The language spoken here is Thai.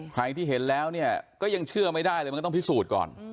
ใครที่เห็นแล้วเนี่ยก็ยังเชื่อไม่ได้เลยมันก็ต้องพิสูจน์ก่อน